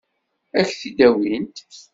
Ad k-t-id-awint?